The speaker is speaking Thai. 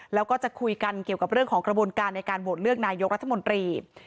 แล้วก็จะคุยกันเกี่ยวกับเรื่องของกระบวนการในการโหวตเลือกนายกรัฐมนตรี